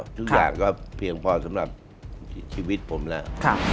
ทุกอย่างก็เพียงพอสำหรับชีวิตผมแล้ว